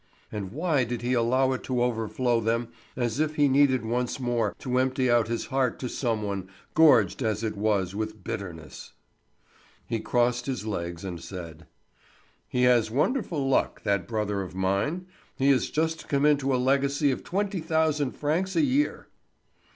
And why did he allow it to overflow them as if he needed once more to empty out his heart to some one, gorged as it was with bitterness? He crossed his legs and said: "He has wonderful luck, that brother of mine. He had just come into a legacy of twenty thousand francs a year."